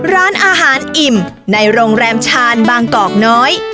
ร้านอาหารอิ่มในโรงแรมชานบางกอกน้อย